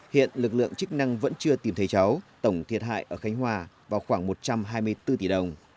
hiện lực lượng chức năng vẫn chưa tìm thấy cháu tổng thiệt hại ở khánh hòa vào khoảng một trăm hai mươi bốn tỷ đồng